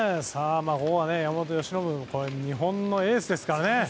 山本由伸は日本のエースですからね。